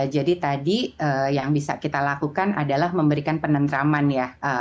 jadi tadi yang bisa kita lakukan adalah memberikan penentraman ya